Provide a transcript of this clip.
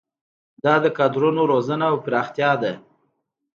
دا د کادرونو روزنه او پراختیا ده.